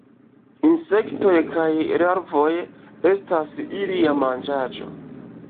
Insektoj kaj larvoj estas ilia manĝaĵo.